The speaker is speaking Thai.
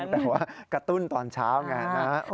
แต่ว่ากระตุ้นตอนเช้าไงนะ